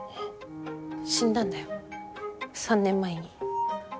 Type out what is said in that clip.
死んだんだよ３年前に。